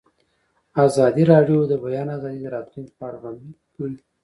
ازادي راډیو د د بیان آزادي د راتلونکې په اړه وړاندوینې کړې.